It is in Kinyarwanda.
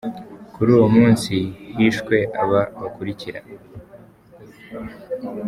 Kuri uwo munsi hishwe aba bakurikira: